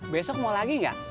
besok mau lagi gak